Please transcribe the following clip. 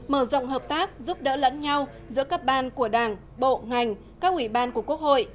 mở rộng hợp tác giúp đỡ lẫn nhau giữa các ban của đảng bộ ngành các ủy ban của quốc hội